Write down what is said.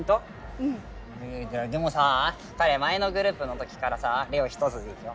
うんでもさ彼は前のグループの時からされお一筋でしょ？